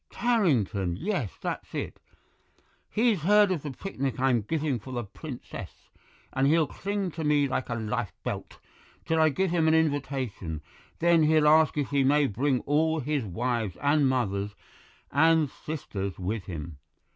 Tarrington—yes, that's it. He's heard of the picnic I'm giving for the Princess, and he'll cling to me like a lifebelt till I give him an invitation; then he'll ask if he may bring all his wives and mothers and sisters with him.